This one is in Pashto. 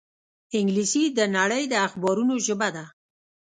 انګلیسي د نړۍ د اخبارونو ژبه ده